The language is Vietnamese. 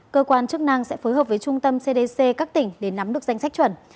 cơ quan chức năng sẽ phối hợp với trung tâm cdc các tỉnh để nắm được danh sách chuẩn